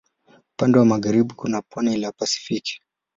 Upande wa magharibi kuna pwani la Pasifiki.